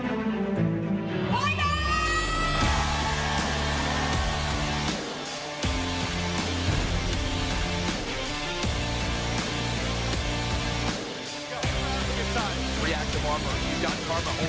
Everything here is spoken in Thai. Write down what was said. งานไป